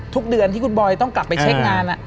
ทุกเดือนที่คุณบอยต้องกลับไปเช็คงาน